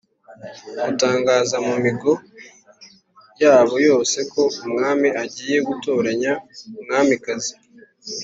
gutangaza mu migi yabo yose ko umwami agiye gutoranya umwamikazi